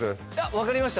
分かりました